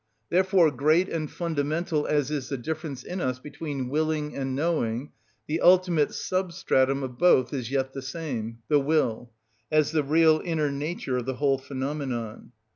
Therefore great and fundamental as is the difference in us between willing and knowing, the ultimate substratum of both is yet the same, the will, as the real inner nature of the whole phenomenon.